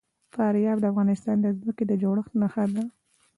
فاریاب د افغانستان د ځمکې د جوړښت نښه ده.